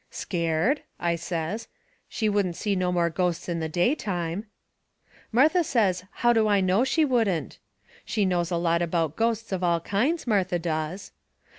"Scared?" I says. "She wouldn't see no more ghosts in the daytime." Martha says how do I know she wouldn't? She knows a lot about ghosts of all kinds, Martha does.